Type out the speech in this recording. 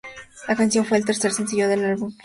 La canción fue el tercer sencillo del álbum Look Sharp!